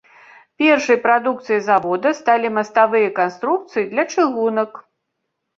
Першай прадукцыяй завода сталі маставыя канструкцыі для чыгунак.